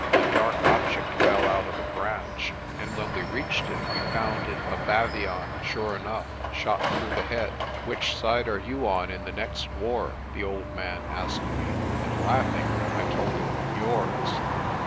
A dark object fell out of the branch, and when we reached it we found it a baviaan * sure enough, shot through the head. "Which side are you on in the next war?'' the old man asked me, and, laughing, I told him "Yours."